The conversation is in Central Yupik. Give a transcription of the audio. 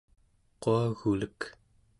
quagulek